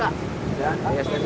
ya di stnk